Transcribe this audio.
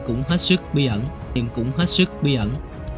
cũng hết sức bí ẩn